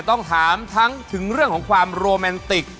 ต้องถามทั้งถึงเรื่องของความโรแมนติก